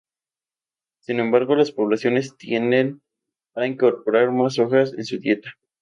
Sin embargo, las poblaciones tienden a incorporar más hojas en su dieta.